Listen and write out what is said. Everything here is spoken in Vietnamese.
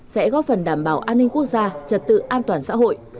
sẽ góp phần đảm bảo an ninh quốc gia trật tự an toàn xã hội